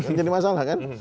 menjadi masalah kan